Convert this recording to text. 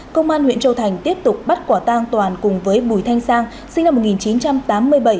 công an huyện châu thành tiếp tục bắt quả tang toàn cùng với bùi thanh sang sinh năm một nghìn chín trăm tám mươi bảy